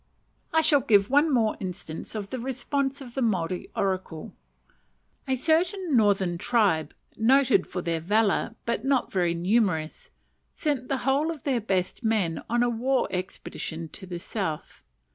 I shall give one more instance of the response of the Maori oracle. A certain northern tribe, noted for their valour, but not very numerous, sent the whole of their best men on a war expedition to the south.